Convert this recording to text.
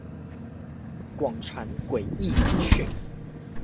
廣傳詭異資訊